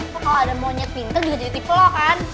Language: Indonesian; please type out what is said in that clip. kalo ada monyet pintar juga jadi tipe lo kan